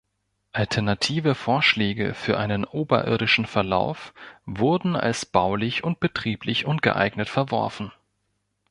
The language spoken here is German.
Alternative Vorschläge für einen oberirdischen Verlauf wurden als baulich und betrieblich ungeeignet verworfen.